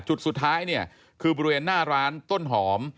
จุดสุดท้ายเนี่ยคือบริเวณหน้าร้านต้นหอม